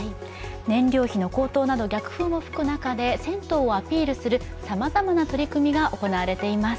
燃料費の高騰など逆風の吹く中で、銭湯をアピールする、さまざまな取り組みが行われています。